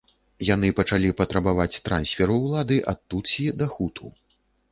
Яны пачалі патрабаваць трансферу ўлады ад тутсі да хуту.